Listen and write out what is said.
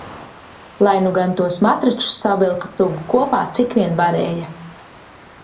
Lai nu gan tos matračus savilka tuvu kopā cik vien varēja.